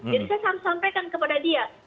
jadi saya sampaikan kepada dia